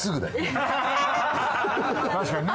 確かにね。